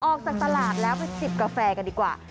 ออกจากตลาดแล้วไปจิบกาแฟกันดีกว่า